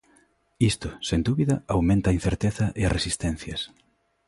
Isto, sen dúbida, aumenta a incerteza e as resistencias.